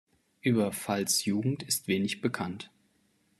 Über Valls’ Jugend ist wenig bekannt.